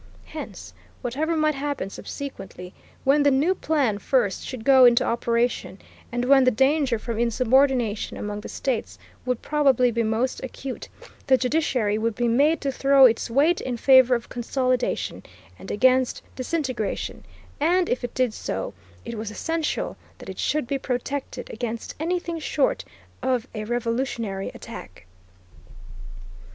Hence, whatever might happen subsequently, when the new plan first should go into operation, and when the danger from insubordination among the states would probably be most acute, the judiciary would be made to throw its weight in favor of consolidation, and against disintegration, and, if it did so, it was essential that it should be protected against anything short of a revolutionary attack.